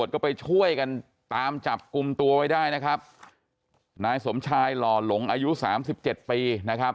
ก็ไปช่วยกันตามจับกลุ่มตัวไว้ได้นะครับนายสมชายหล่อหลงอายุสามสิบเจ็ดปีนะครับ